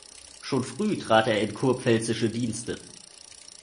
Schon früh trat er in kurpfälzische Dienste.